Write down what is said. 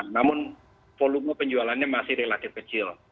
namun volume penjualannya masih relatif kecil